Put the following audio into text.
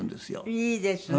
いいですね。